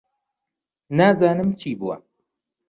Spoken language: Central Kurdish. نازانم چی بووە.